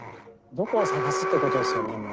どこを捜すってことですよね。